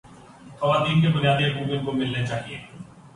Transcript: خواتین کے بنیادی حقوق ان کو ملنے چاہیے